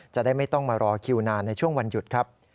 จะได้ไม่ต้องมารอคิวนานในช่วงวันหยุดครับ